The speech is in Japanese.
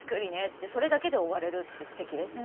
それだけで終われるってすてきですね。